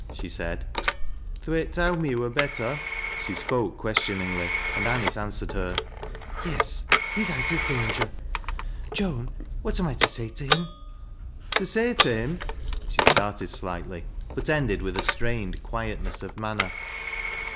she said " Thwaite towd me he wur better." She spoke questioningly, and Anice answered her —" Yes, he is out of danger. Joan, what am I to say to him?" « To say to him I " She started slightly, but ended with a strained quiet aess of manner.